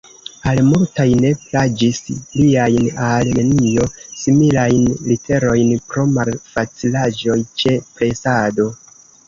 Al multaj ne plaĝis liajn al nenio similajn literojn pro malfacilaĵoj ĉe presado.